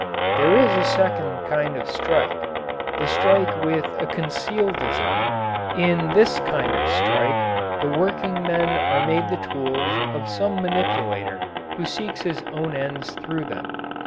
There is a second kind of strike the strike with a concealed design. In this kind of strike the workingmen are made the tools of some manipulator who seeks his own ends through them.